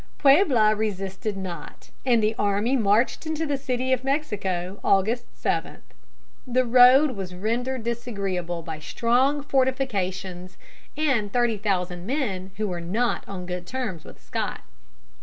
Puebla resisted not, and the army marched into the city of Mexico August 7. The road was rendered disagreeable by strong fortifications and thirty thousand men who were not on good terms with Scott.